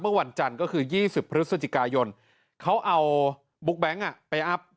เมื่อวันจันทร์ก็คือ๒๐พฤศจิกายนเขาเอาบุ๊กแบงค์ไปอัพ